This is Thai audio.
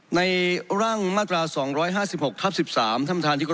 ในร่างมาตรา๒๕๖ทับ๑๓ธรรมธารนิกรบครับ